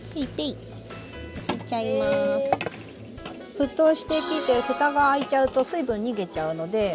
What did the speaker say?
沸騰してきてフタが開いちゃうと水分逃げちゃうので。